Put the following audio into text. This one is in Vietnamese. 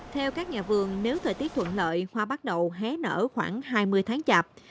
theo các nhà vườn nếu thời tiết thuận lợi hoa bắt đầu hé nở khoảng hai mươi tháng chạp